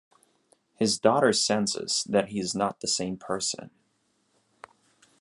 His daughter senses that he is not the same person.